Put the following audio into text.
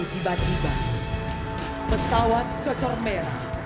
di mimbar upacara